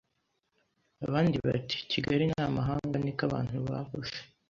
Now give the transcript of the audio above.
abandi bati Kigali ni amahanga niko abantu bavuze